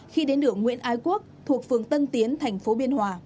khi đến đường nguyễn ái quốc thuộc phường tân tiến thành phố biên hòa